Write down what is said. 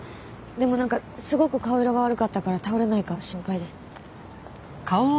でもなんかすごく顔色が悪かったから倒れないか心配で。